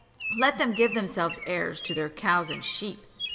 Let them give themselves airs to their cows and sheep."